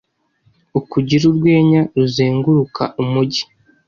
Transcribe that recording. ukugire urwenya ruzenguruka umujyi